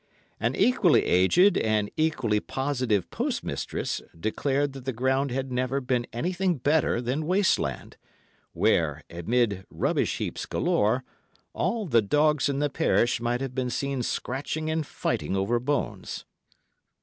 An equally aged and equally positive postmistress declared that the ground had never been anything better than waste land, where, amid rubbish heaps galore, all the dogs in the parish might have been seen scratching and fighting over bones.